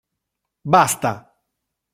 Basta!